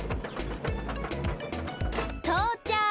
とうちゃく！